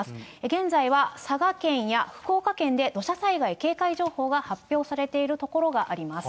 現在は佐賀県や福岡県で、土砂災害警戒情報が発表されている所があります。